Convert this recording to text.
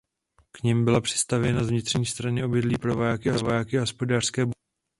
K nim byla přistavěna z vnitřní strany obydlí pro vojáky a hospodářské budovy.